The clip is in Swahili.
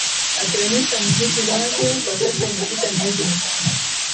akionyesha mziki wake kwa sasa imepita miezi mitano